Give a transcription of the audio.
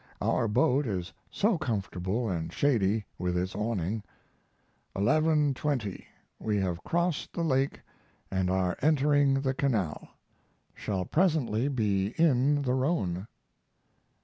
Our boat is so comfortable and shady with its awning. 11.20. We have crossed the lake and are entering the canal. Shall presently be in the Rhone.